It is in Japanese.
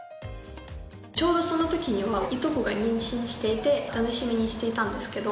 ちょうどその時にはいとこが妊娠していて楽しみにしていたんですけど